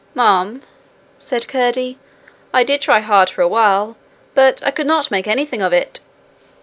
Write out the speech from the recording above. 'Ma'am,' said Curdie, 'I did try hard for a while, but I could not make anything of it.'